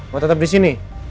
mau tetap disini